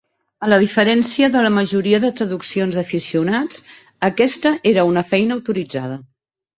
A diferència de la majoria de traduccions d'aficionats, aquesta era una feina autoritzada.